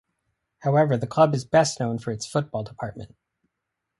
However, the club is best known for its football department.